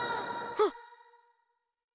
あっ。